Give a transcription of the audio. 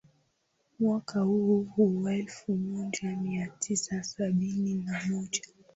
Mwaka huo huo elfu moja mia tisa sabini na moja